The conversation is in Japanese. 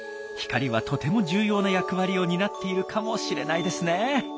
光はとても重要な役割を担っているかもしれないですね。